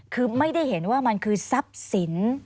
คือไม่ได้เห็นว่ามันคือทรัพย์สิน